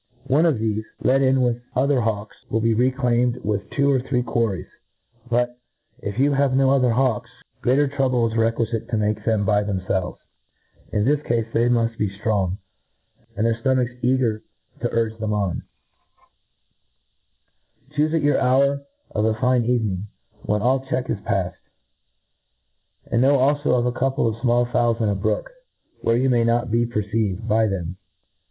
One of thefc, let in with other hawks, will be reclaimed with two or thr?c cjuarries ; but, if you have no other hawks, greater trouble is requifitc to make them by themfelveg. In this cafe, they mufl be ftrong, and their ftomachs eager to urge them on. Chufc t^ A T R E A T I S E O F Chyfc that hour of a fine evening, when all check is pail; and know alfo of a couple of fmall fowls in a brook, where you may not be perceived by them.